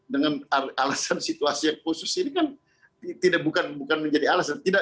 dengan alasan situasi yang khusus ini kan bukan menjadi alasan